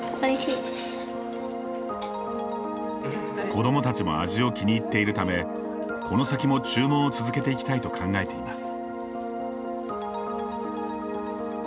子供たちも味を気に入っているためこの先も注文を続けていきたいと考えています。